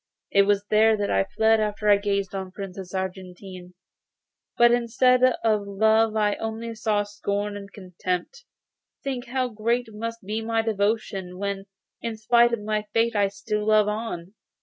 It was here that I fled after I had gazed on the Princess Argentine, but instead of love I only saw scorn and contempt. Think how great must be my devotion, when, in spite of my fate, I still love on!